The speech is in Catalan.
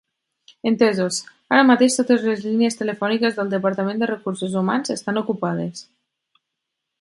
Entesos, ara mateix totes les línies telefòniques del departament de recursos humans estan ocupades.